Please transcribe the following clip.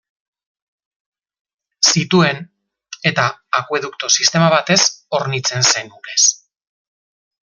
Zituen, eta akueduktu sistema batez hornitzen zen urez.